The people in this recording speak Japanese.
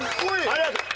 ありがとう。